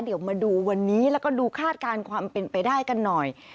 เดี๋ยวมาดูวันนี้แล้วก็ดูคาดการณ์ความเป็นไปได้กันหน่อย